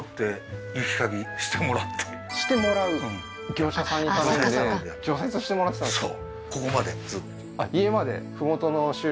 業者さんに頼んで除雪してもらってたんですか？